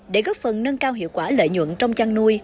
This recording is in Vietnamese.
để góp phần nâng cao hiệu quả lợi nhuận trong chăn nuôi